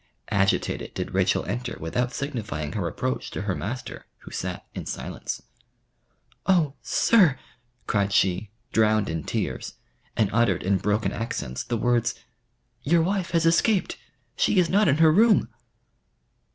Agitated did Rachel enter without signifying her approach to her master, who sat in silence. "Oh, sir," cried she, drowned in tears, and uttered in broken accents the words, "Your wife has escaped she is not in her room!"